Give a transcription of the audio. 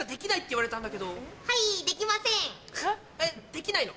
できないの？